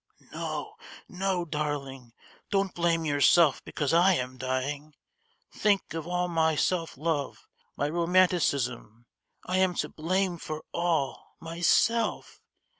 "No, no, darling, don't blame yourself because I am dying! think of all my self love, my romanticism! I am to blame for all, myself!